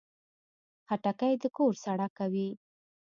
خټکی د کور سړه کوي.